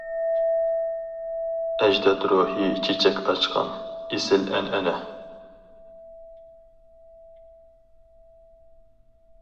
ئەجداد روھى چېچەك ئاچقان، ئېسىل ئەنئەنە.